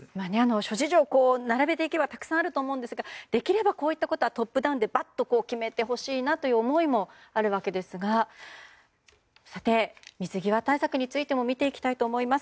諸事情を並べていけばたくさんあると思うんですができれば、こういうことはトップガンで決めてほしいなという思いもあるわけですが水際対策についても見ていきます。